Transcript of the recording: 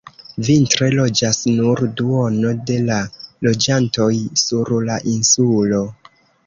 Vintre loĝas nur duono de la loĝantoj sur la insulo.